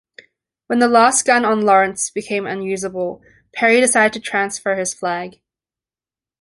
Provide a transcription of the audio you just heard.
When the last gun on "Lawrence" became unusable, Perry decided to transfer his flag.